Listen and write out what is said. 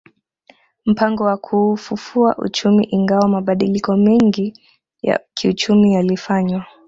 Mpango wa kuufufua uchumi Ingawa mabadiliko mengi ya kiuchumi yalifanywa